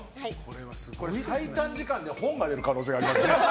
最短時間で本が出る可能性がありますね。